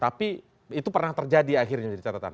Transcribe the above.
tapi itu pernah terjadi akhirnya menjadi catatan